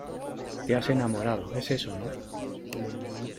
te has enamorado ,¿ es eso , no ?